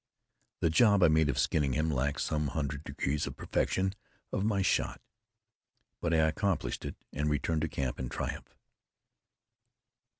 The job I made of skinning him lacked some hundred degrees the perfection of my shot, but I accomplished it, and returned to camp in triumph.